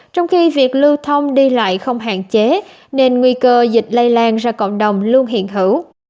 trong khi việc lưu thông đi lại không hạn chế nên nguy cơ dịch lây lan ra cộng đồng luôn hiện hữu